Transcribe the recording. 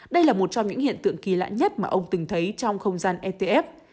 đây là một trong những hiện tượng kỳ lạ nhất mà ông từng thấy trong không gian etf